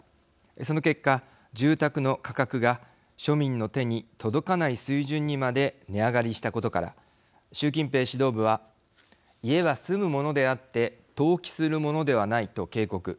その結果、住宅の価格が庶民の手に届かない水準にまで値上がりしたことから習近平指導部は家は住むものであって投機するものではないと警告。